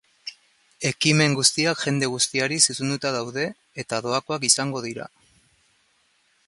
Ekimen guztiak jende guztiari zuzenduta daude, eta doakoak izango dira.